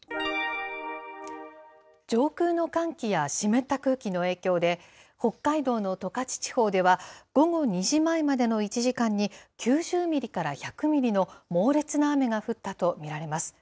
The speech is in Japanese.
上空の寒気や湿った空気の影響で、北海道の十勝地方では、午後２時前までの１時間に、９０ミリから１００ミリの猛烈な雨が降ったと見られます。